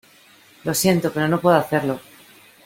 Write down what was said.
lo siento, pero no puedo hacerlo